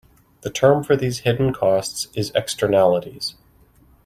The term for these hidden costs is "Externalities".